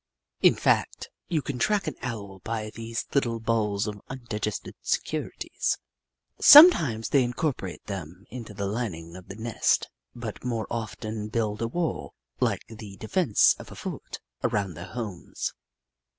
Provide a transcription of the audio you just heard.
In fact, you can track an Owl by these little balls of undigested securities. Sometimes they incorporate them into the lining of the nest, but more often build a wall, like the de fence of a fort, around their homes.